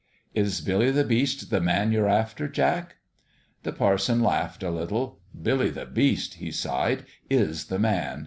"Is Billy the Beast the man you're after, Jack?" The parson laughed a little. "Billy the Beast," he sighed, "is the man.